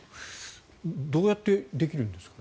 どうやってできるんですかね。